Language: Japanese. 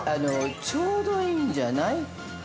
◆ちょうどいいんじゃない？